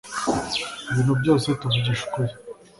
ibintu byose tuvugisha ukuri